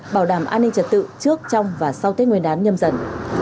bảo đảm an ninh trật tự trước trong và sau tết nguyên đán nhâm dần